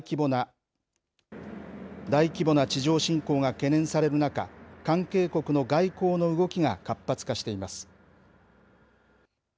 大規模な地上侵攻が懸念される中、関係国の外交の動きが活発化しています。